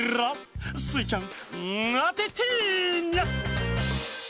スイちゃんあててニャ！